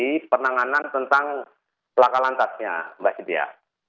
dan kami menangani tentang laka lantasnya mbak cynthia